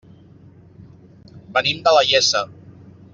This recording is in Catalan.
Venim de la Iessa.